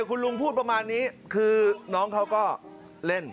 คุณลุงพูดประมาณนี้คือน้องเขาก็เล่น